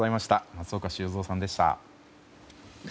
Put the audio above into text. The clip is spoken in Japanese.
松岡修造さんでした。